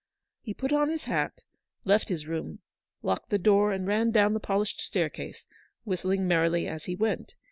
He put on his hat, left his room, locked the door, and ran down the polished staircase, whistling merrily as he went.